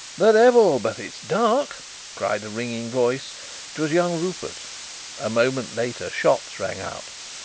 "The devil, but it's dark!" cried a ringing voice. It was young Rupert. A moment later, shots rang out.